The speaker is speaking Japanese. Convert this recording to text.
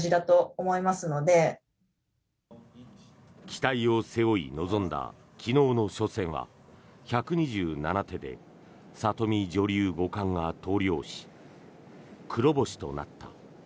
期待を背負い臨んだ昨日の初戦は１２７手で里見女流五冠が投了し黒星となった。